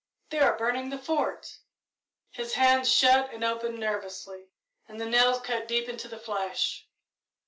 "They are burning the Fort!" His hands shut and opened nervously, and the nails cut deep into the flesh.